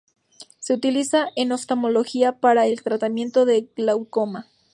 Se utiliza en oftalmología para el tratamiento del glaucoma.